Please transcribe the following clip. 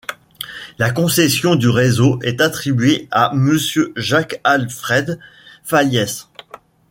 La concession du réseau est attribuée à Monsieur Jaques Alfred Faliès.